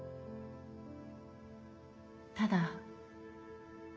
ただ。